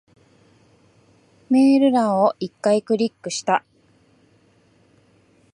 メール欄を一回クリックした。